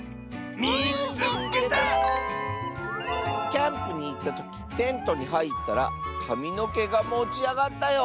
「キャンプにいったときテントにはいったらかみのけがもちあがったよ！」。